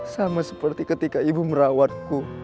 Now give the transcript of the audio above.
sama seperti ketika ibu merawatku